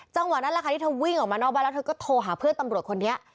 จังหวะนั้นแหละค่ะที่เธอวิ่งออกมานอกบ้านแล้วเธอก็โทรหาเพื่อนตำรวจคนนี้